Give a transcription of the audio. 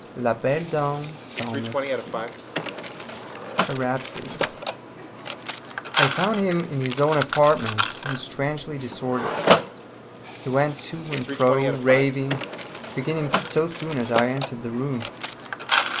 LA BELLE DAME SANS MERCI A RHAPSODY I found him in his own apartments, and strangely disordered. He went to and fro, raving beginning so soon as I entered the room.